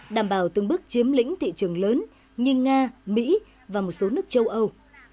đảm bảo từng bước chiếm lĩnh thị trường lớn như nga mỹ và một số nước châu âu